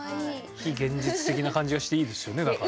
非現実的な感じがしていいですよねだから。